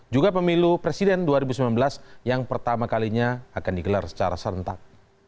juga pemilu presiden dua ribu sembilan belas yang pertama kalinya akan digelar secara serentak